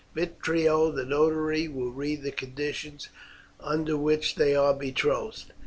Vitrio, the notary, will read the conditions under which they are betrothed."